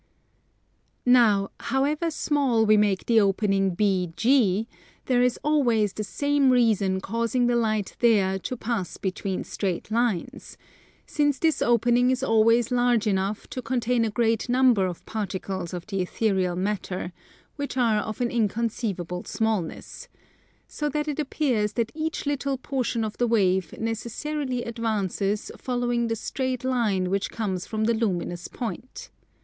Now, however small we make the opening BG, there is always the same reason causing the light there to pass between straight lines; since this opening is always large enough to contain a great number of particles of the ethereal matter, which are of an inconceivable smallness; so that it appears that each little portion of the wave necessarily advances following the straight line which comes from the luminous point.